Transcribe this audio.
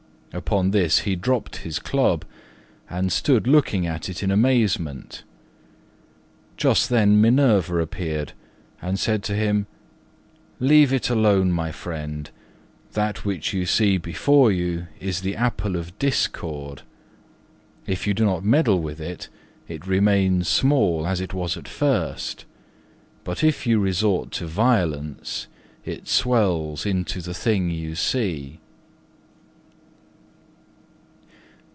Upon this he dropped his club, and stood looking at it in amazement. Just then Minerva appeared, and said to him, "Leave it alone, my friend; that which you see before you is the apple of discord: if you do not meddle with it, it remains small as it was at first, but if you resort to violence it swells into the thing you see."